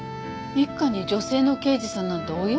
一課に女性の刑事さんなんておいやしたやろか？